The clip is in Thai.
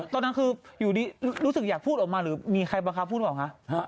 ตอนนั้นคืออยู่ดีรู้สึกอยากพูดออกมาหรือมีใครบังคับพูดเปล่าคะ